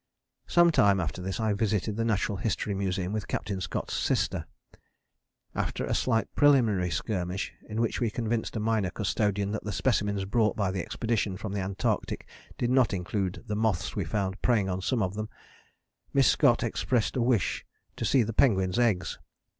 Some time after this I visited the Natural History Museum with Captain Scott's sister. After a slight preliminary skirmish in which we convinced a minor custodian that the specimens brought by the expedition from the Antarctic did not include the moths we found preying on some of them, Miss Scott expressed a wish to see the penguins' eggs.